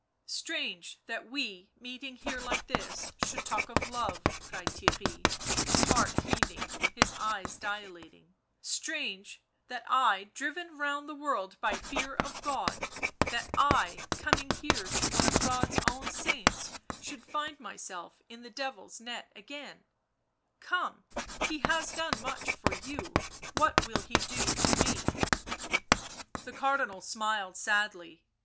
" Strange that we, meeting here like this, should talk of love !" cried Theirry, his heart heaving, his eyes dilating, " strange that I, driven round the world by fear of God, that I, coming here to one of God's own saints, should find myself in the Devil's net again; come, he has done much for you, what will he do for me?" The Cardinal smiled sadly.